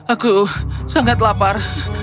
aku aku sangat lapar